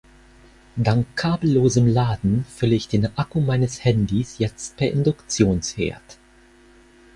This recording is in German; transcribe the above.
Dank kabellosem Laden fülle ich den Akku meines Handys jetzt per Induktionsherd.